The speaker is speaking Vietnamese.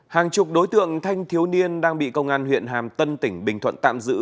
hàng chục đối tượng thanh thiếu niên đang bị công an huyện hàm tân tỉnh bình thuận tạm giữ